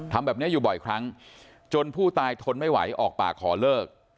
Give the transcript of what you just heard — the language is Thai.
ทำแบบนี้อยู่บ่อยครั้งจนผู้ตายทนไม่ไหวออกปากขอเลิก